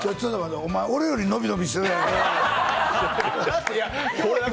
お前、俺よりのびのびしてるやないか。